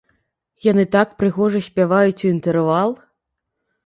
Яны так прыгожа спяваюць у інтэрвал!